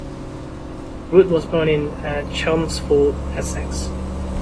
Root was born in Chelmsford, Essex.